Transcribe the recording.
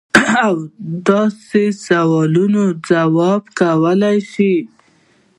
او د داسې سوالونو جواب کولے شي -